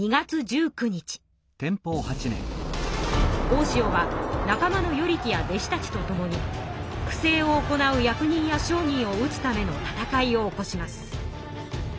大塩は仲間の与力や弟子たちとともに不正を行う役人や商人をうつための戦いを起こします。